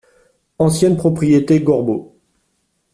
Ancienne propriété Gorbeau.